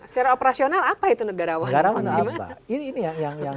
secara operasional apa itu negarawan